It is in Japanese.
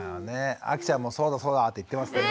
あきちゃんもそうだそうだって言ってますね。